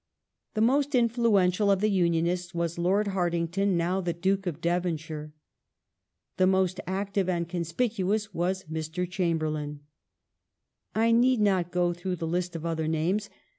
The most influential of the Unionists was Lord Hartington, now the Duke of Devonshire. The most active and conspicuous was Mr. Chamberlain. I need not go through the list of other names.